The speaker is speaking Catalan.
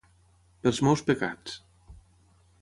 Pels meus pecats.